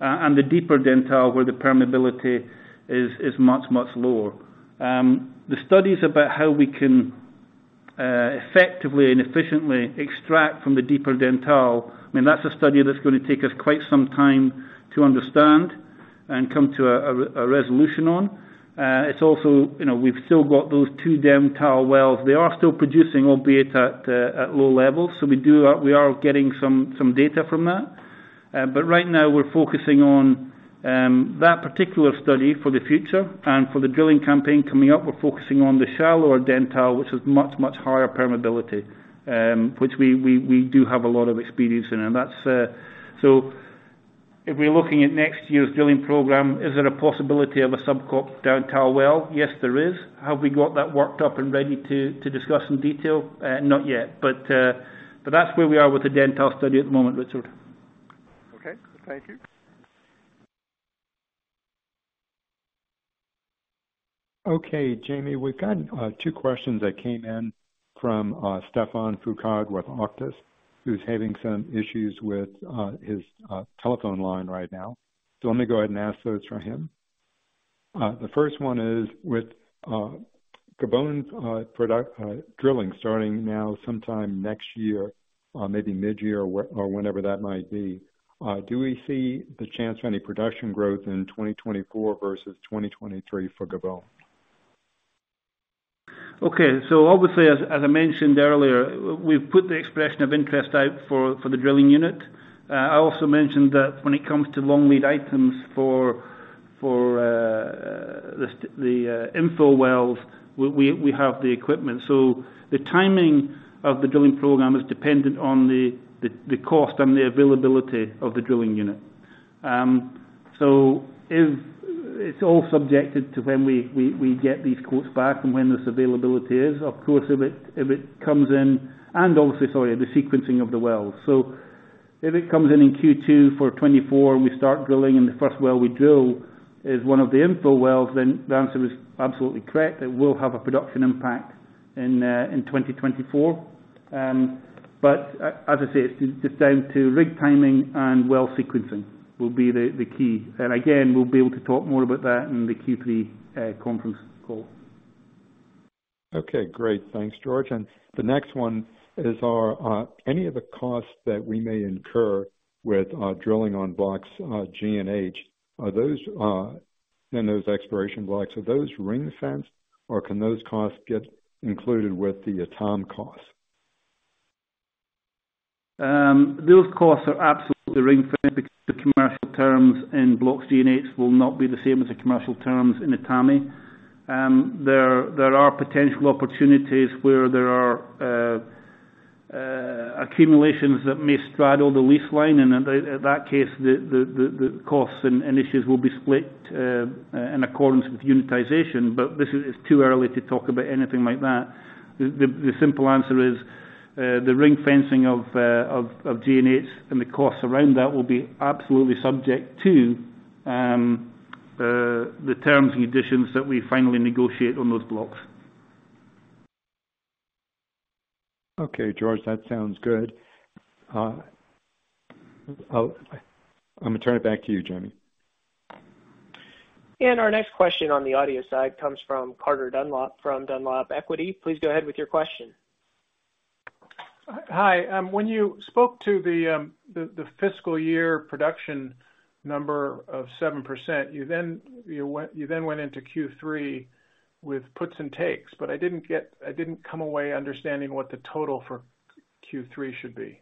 and the deeper Dentale, where the permeability is, is much, much lower. The studies about how we can effectively and efficiently extract from the deeper Dentale, I mean, that's a study that's going to take us quite some time to understand and come to a resolution on. It's also, you know, we've still got those two Dentale wells. They are still producing, albeit at low levels, so we do, we are getting some, some data from that. Right now, we're focusing on that particular study for the future. For the drilling campaign coming up, we're focusing on the shallower Dentale, which is much, much higher permeability, which we, we, we do have a lot of experience in. If we're looking at next year's drilling program, is there a possibility of a subcrop Dentale well? Yes, there is. Have we got that worked up and ready to discuss in detail? Not yet, but that's where we are with the Dentale study at the moment, Richard. Okay, thank you. Okay, Jamie, we've got two questions that came in from Stephane Foucaud with Octus, who's having some issues with his telephone line right now. Let me go ahead and ask those for him. The first one is: With Gabon's product drilling, starting now sometime next year, maybe mid-year or whe- or whenever that might be, do we see the chance for any production growth in 2024 versus 2023 for Gabon? Okay. Obviously, as I mentioned earlier, we've put the expression of interest out for the drilling unit. I also mentioned that when it comes to long lead items for the info wells, we have the equipment. The timing of the drilling program is dependent on the cost and the availability of the drilling unit. If it's all subjected to when we get these quotes back and when this availability is, of course, if it comes in and obviously, sorry, the sequencing of the wells. If it comes in in Q2 for 2024, and we start drilling, and the first well we drill is one of the info wells, then the answer is absolutely correct. It will have a production impact in 2024. As I say, it's just down to rig timing and well sequencing will be the, the key. Again, we'll be able to talk more about that in the Q3 conference call. Okay, great. Thanks, George. The next one is: Are any of the costs that we may incur with drilling on Blocks G and H, are those in those exploration blocks, are those ring-fenced, or can those costs get included with the Etame costs? Those costs are absolutely ring-fenced. The commercial terms in Blocks G and H will not be the same as the commercial terms in Etame. There, there are potential opportunities where there are accumulations that may straddle the lease line, and then at that case, the, the, the, the costs and, and issues will be split in accordance with unitization. But this is... It's too early to talk about anything like that. The, the, the simple answer is the ring fencing of Blocks G and H and the costs around that will be absolutely subject to the terms and conditions that we finally negotiate on those blocks. Okay, George, that sounds good. I'm gonna turn it back to you, Johnny. Our next question on the audio side comes from Carter Dunlap from Dunlap Equity. Please go ahead with your question. Hi, when you spoke to the fiscal year production number of 7%, you then went into Q3 with puts and takes. I didn't come away understanding what the total for Q3 should be.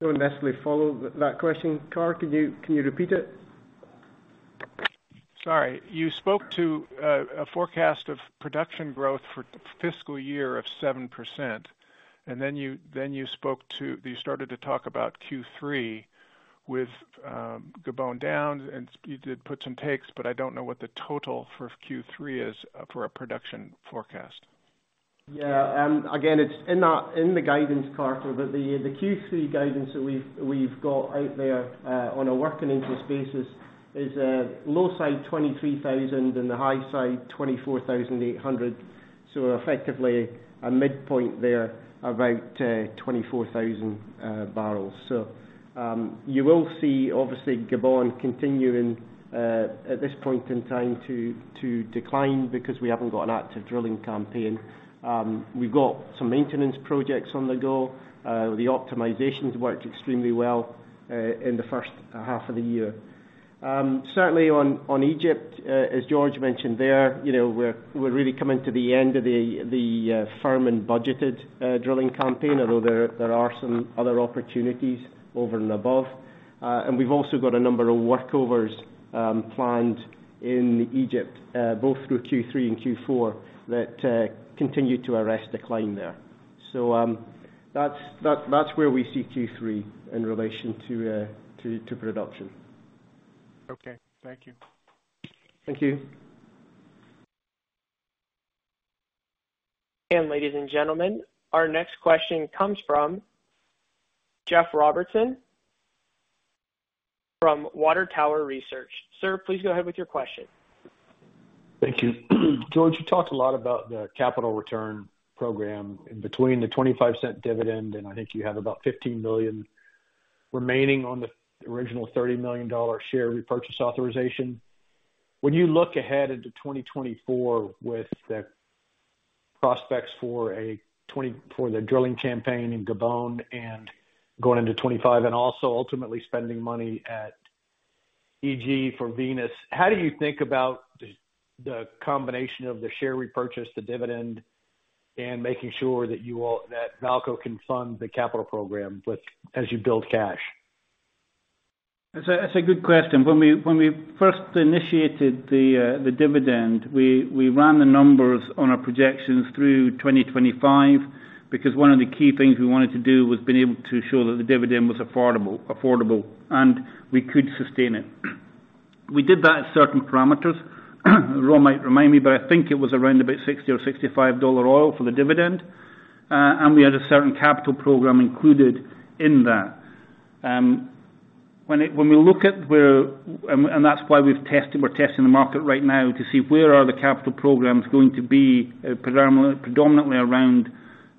Don't necessarily follow that question, Carter, could you, can you repeat it? Sorry. You spoke to, a forecast of production growth for fiscal year of 7%. Then you spoke to... You started to talk about Q3 with, Gabon down. You did puts and takes. I don't know what the total for Q3 is for a production forecast. Yeah, again, it's in that, in the guidance, Carter. The Q3 guidance that we've, we've got out there, on a working interest basis is low side, 23,000, and the high side, 24,800. Effectively, a midpoint there about 24,000 barrels. You will see, obviously, Gabon continuing at this point in time, to decline because we haven't got an active drilling campaign. We've got some maintenance projects on the go. The optimizations worked extremely well in the first half of the year. Certainly on, on Egypt, as George mentioned there, you know, we're, we're really coming to the end of the firm and budgeted drilling campaign, although there, there are some other opportunities over and above. We've also got a number of workovers planned in Egypt both through Q3 and Q4, that continue to arrest decline there. That's, that, that's where we see Q3 in relation to, to, to production. Okay, thank you. Thank you. Ladies and gentlemen, our next question comes from Jeff Robertson from Water Tower Research. Sir, please go ahead with your question. Thank you. George, you talked a lot about the capital return program in between the $0.25 dividend, and I think you have about $15 billion remaining on the original $30 million share repurchase authorization. When you look ahead into 2024 with the prospects for a 2024, the drilling campaign in Gabon and going into 2025, and also ultimately spending money at EG for Venus, how do you think about the combination of the share repurchase, the dividend, and making sure that VAALCO Energy can fund the capital program with as you build cash? That's a good question. When we, when we first initiated the dividend, we ran the numbers on our projections through 2025, because one of the key things we wanted to do was being able to show that the dividend was affordable, affordable, and we could sustain it. We did that at certain parameters. Ron might remind me, but I think it was around about $60 or $65 oil for the dividend. And we had a certain capital program included in that. When we look at where. That's why we've tested, we're testing the market right now to see where are the capital programs going to be predominantly around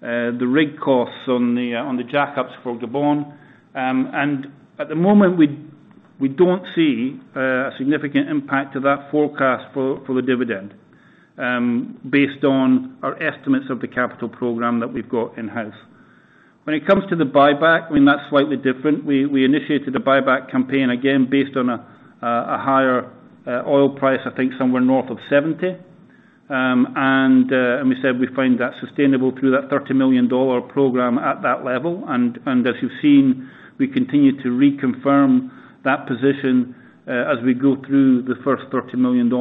the rig costs on the jackups for Gabon. At the moment, we, we don't see a significant impact to that forecast for, for the dividend, based on our estimates of the capital program that we've got in-house. When it comes to the buyback, that's slightly different. We, we initiated a buyback campaign, again, based on a higher oil price, I think somewhere north of 70. We said we find that sustainable through that $30 million program at that level. As you've seen, we continue to reconfirm that position as we go through the first $30 million.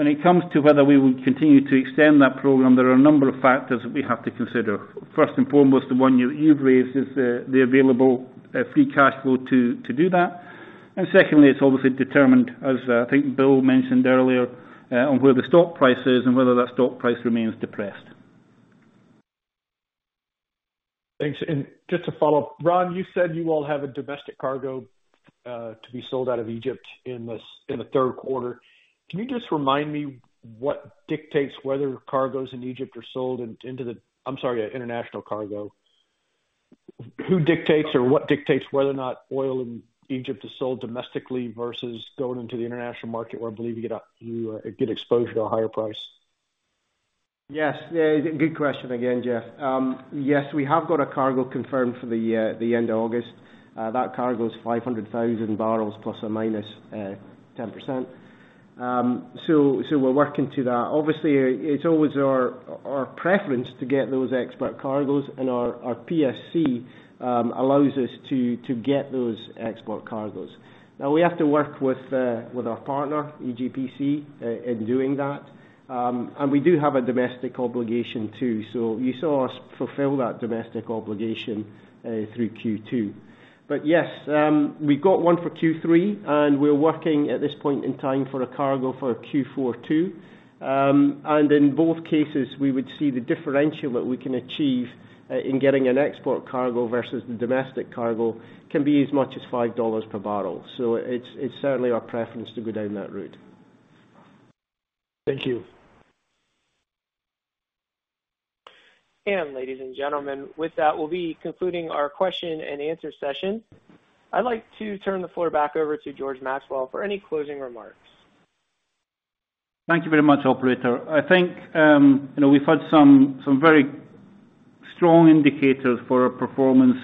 When it comes to whether we will continue to extend that program, there are a number of factors that we have to consider. First and foremost, the one you, you've raised is the available free cash flow to, to do that. Secondly, it's obviously determined, as, I think Bill mentioned earlier, on where the stock price is and whether that stock price remains depressed. Thanks. Just to follow up, Ron, you said you all have a domestic cargo to be sold out of Egypt in the third quarter. Can you just remind me what dictates whether cargos in Egypt are sold into the. I'm sorry, international cargo? Who dictates or what dictates whether or not oil in Egypt is sold domestically versus going into the international market, where I believe you get a, you, get exposure to a higher price? Yes. Yeah, good question again, Jeff. Yes, we have got a cargo confirmed for the end of August. That cargo is 500,000 barrels ±10%. We're working to that. Obviously, it's always our, our preference to get those export cargos, and our, our PSC allows us to, to get those export cargos. Now, we have to work with our partner, EGPC, in doing that. We do have a domestic obligation too. You saw us fulfill that domestic obligation through Q2. Yes, we've got one for Q3, and we're working at this point in time for a cargo for Q4, too. In both cases, we would see the differential that we can achieve, in getting an export cargo versus the domestic cargo, can be as much as $5 per barrel. It's, it's certainly our preference to go down that route. Thank you. Ladies and gentlemen, with that, we'll be concluding our question and answer session. I'd like to turn the floor back over to George Maxwell for any closing remarks. Thank you very much, operator. I think, you know, we've had some, some very strong indicators for our performance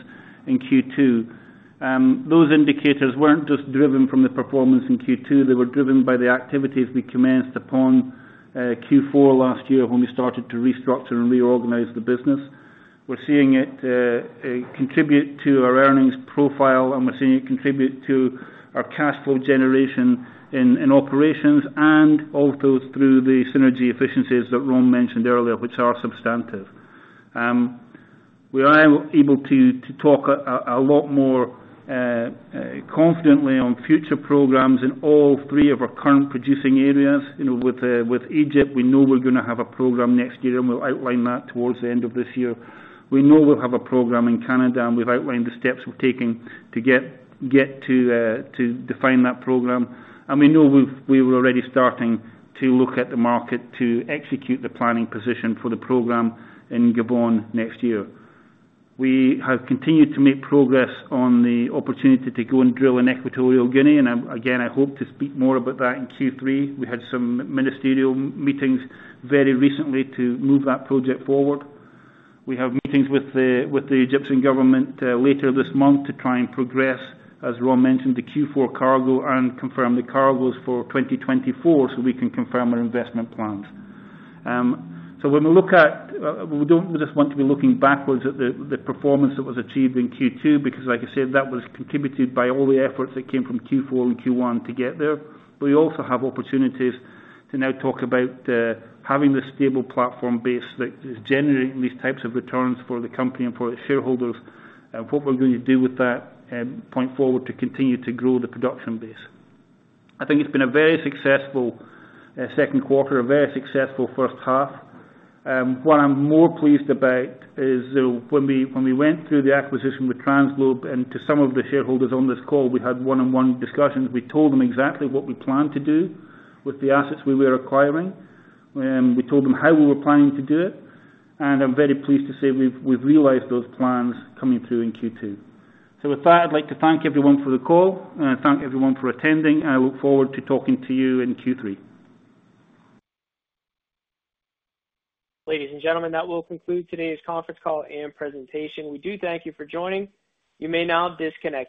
in Q2. Those indicators weren't just driven from the performance in Q2, they were driven by the activities we commenced upon, Q4 last year, when we started to restructure and reorganize the business. We're seeing it contribute to our earnings profile, and we're seeing it contribute to our cash flow generation in, in operations and also through the synergy efficiencies that Ron mentioned earlier, which are substantive. We are able to, to talk a lot more confidently on future programs in all three of our current producing areas. You know, with Egypt, we know we're gonna have a program next year, and we'll outline that towards the end of this year. We know we'll have a program in Canada, and we've outlined the steps we're taking to get to define that program. We know we were already starting to look at the market to execute the planning position for the program in Gabon next year. We have continued to make progress on the opportunity to go and drill in Equatorial Guinea, and I, again, I hope to speak more about that in Q3. We had some ministerial meetings very recently to move that project forward. We have meetings with the Egyptian government later this month to try and progress, as Ron mentioned, the Q4 cargo and confirm the cargoes for 2024, so we can confirm our investment plans. When we look at... We don't just want to be looking backwards at the performance that was achieved in Q2, because like I said, that was contributed by all the efforts that came from Q4 and Q1 to get there. We also have opportunities to now talk about having this stable platform base that is generating these types of returns for the company and for its shareholders, and what we're going to do with that point forward to continue to grow the production base. I think it's been a very successful second quarter, a very successful first half. What I'm more pleased about is when we went through the acquisition with TransGlobe, and to some of the shareholders on this call, we had one-on-one discussions. We told them exactly what we planned to do with the assets we were acquiring, we told them how we were planning to do it, and I'm very pleased to say we've, we've realized those plans coming through in Q2. With that, I'd like to thank everyone for the call, and I thank everyone for attending, and I look forward to talking to you in Q3. Ladies and gentlemen, that will conclude today's conference call and presentation. We do thank you for joining. You may now disconnect your lines.